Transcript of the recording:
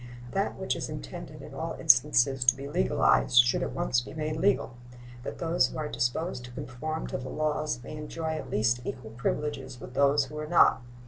That which is intended in all instances to be legalized should at once be made legal, that those who are disposed to conform to the laws may enjoy at least equal privileges with those who are not.